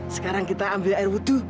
sekarang kita ambil air wudhu